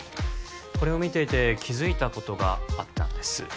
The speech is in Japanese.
これを見ていて気づいたことがあったんです